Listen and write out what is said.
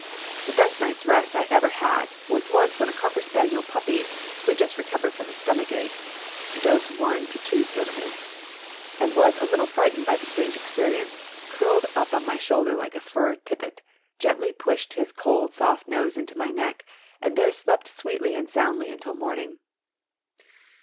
The best night's rest I ever had was once when a cocker spaniel puppy, who had just recovered from stomach ache (dose one to two soda mints), and was a little frightened by the strange experience, curled up on my shoulder like a fur tippet, gently pushed his cold, soft nose into my neck, and there slept sweetly and soundly until morning.